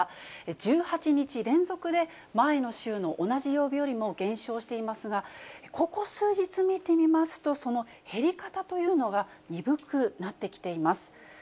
１８日連続で、前の週の同じ曜日よりも減少していますが、ここ数日見てみますと、その減り方というのが鈍くなってきています。